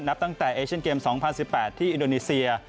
นับตั้งแต่เอเชียนเกม๒๐๑๘ที่อินโดนีเซีย